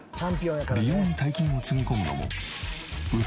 美容に大金をつぎ込むのも。